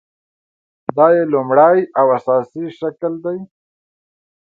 دا یې لومړۍ او اساسي شکل دی.